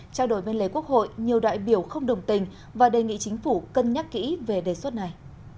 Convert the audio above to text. trao đổi bên lề quốc hội nhiều đại biểu không đồng tình và đề nghị chính phủ cân nhắc kỹ về đề xuất này